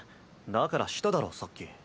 だからしただろさっき。